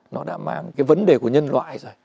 nó đã mang cái vấn đề của nhân loại rồi